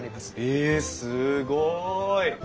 えすごい！